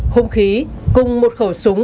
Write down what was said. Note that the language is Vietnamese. hông khí cùng một khẩu súng